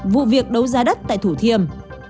vụ việc đấu giá đất tại thủ thiêm